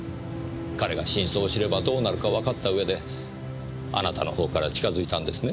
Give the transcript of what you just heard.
彼が真相を知ればどうなるかわかった上であなたのほうから近づいたんですね？